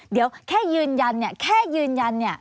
เดี๋ยวแค่ยืนยันเนี่ยแค่ยืนยันเนี่ย